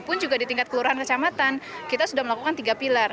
pun juga di tingkat kelurahan kecamatan kita sudah melakukan tiga pilar